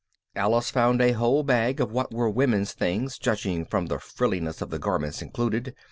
Alice found a whole bag of what were women's things judging from the frilliness of the garments included.